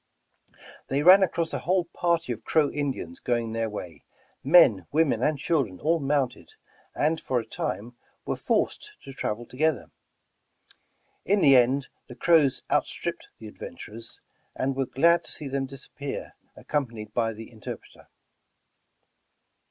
They ran across a whole party of Crow In dians going their way, men, women and children all mounted, » and for a time were forced to travel to gether. In the end the Crows outstripped the adven turers, and they were glad to see them disappear, ac companied b3' the interpreter.